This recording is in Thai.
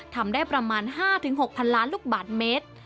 ทำได้ประมาณ๕๖๐๐ล้านลูกบาทเมตร